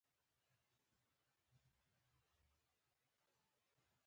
چې دوي په خپل وطن کې پانګونه کړى وى.